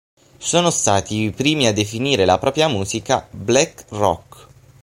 Sono stati i primi a definire la propria musica "black rock".